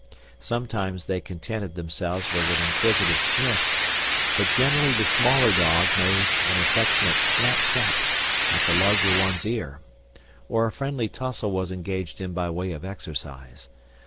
Sometimes they contented themselves with an inquisitive sniff, but generally the smaller dog made an affectionate snap snap at the larger one's ear, or a friendly tussle was engaged in by way of exercise.